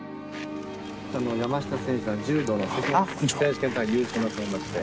山下選手は柔道の世界選手権で優勝なさいまして。